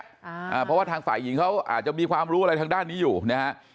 อ่าเพราะว่าทางฝ่ายหญิงเขาอาจจะมีความรู้อะไรทางด้านนี้อยู่นะฮะ